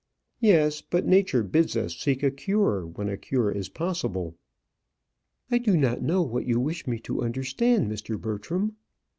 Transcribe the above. "Yes; but nature bids us seek a cure when a cure is possible." "I do not know what you wish me to understand, Mr. Bertram?"